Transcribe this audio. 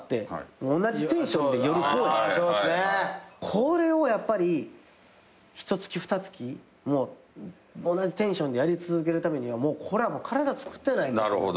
これをやっぱりひとつきふたつき同じテンションでやり続けるためには体つくってないと。